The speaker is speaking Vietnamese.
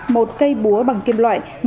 một cây búa bằng kim loại